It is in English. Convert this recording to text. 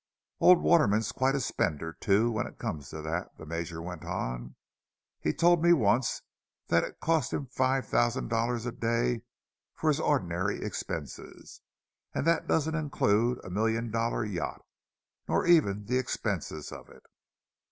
"Old Waterman's quite a spender, too, when it comes to that," the Major went on. "He told me once that it cost him five thousand dollars a day for his ordinary expenses. And that doesn't include a million dollar yacht, nor even the expenses of it.